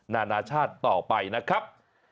นานาชาติต่อไปนะครับ